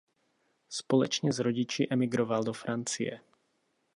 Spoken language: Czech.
Společně s rodiči emigroval do Francie.